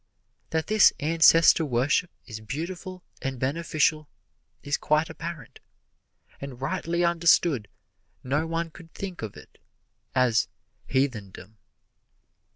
That this ancestor worship is beautiful and beneficial is quite apparent, and rightly understood no one could think of it as "heathendom."